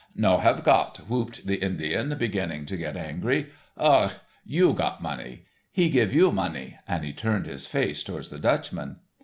"No have got," whooped the Indian, beginning to get angry. "Hug gh! You got money. He give you money," and he turned his face towards the Dutchman.